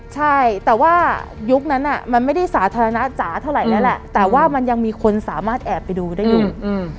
ใช่แต่ว่ายุคนั้นมันไม่ได้สาธารณะจ๋าเท่าไหร่แล้วแหละแต่ว่ามันยังมีคนสามารถแอบไปดูได้อยู่